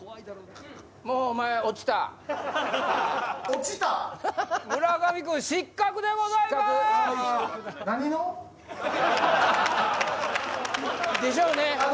もうお前落ちた村上君失格でございますでしょうね